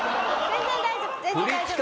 全然大丈夫です。